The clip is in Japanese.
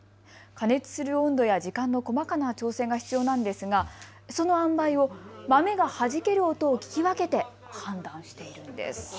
加熱する温度や時間の細かな調整が必要なんですが、そのあんばいを豆がはじける音を聞き分けて判断しているんです。